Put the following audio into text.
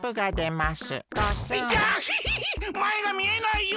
まえがみえないよ！